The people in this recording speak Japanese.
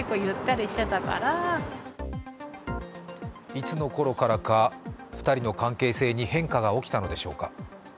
いつのころからか２人の関係性に変化が起きたのでしょうか。